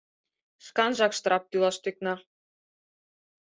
Шканжак штрап тӱлаш тӱкна.